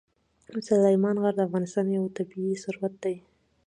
سلیمان غر د افغانستان یو طبعي ثروت دی.